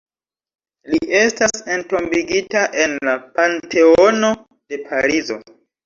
Li estas entombigita en la Panteono de Parizo.